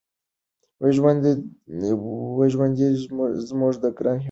ژوندی دې وي زموږ ګران افغانستان.